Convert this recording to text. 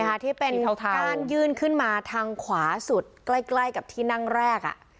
เห็นมั้ยคะที่เป็นก้านยื่นขึ้นมาทางขวาสุดใกล้กับที่นั่งแรกอะ